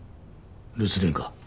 留守電か？